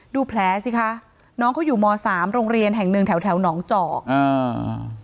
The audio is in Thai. ดูแผลสิคะน้องเขาอยู่มสามโรงเรียนแห่งหนึ่งแถวแถวหนองจอกอ่า